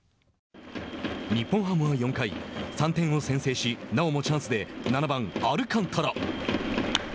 日本ハムは４回、３点を先制しなおもチャンスで７番アルカンタラ。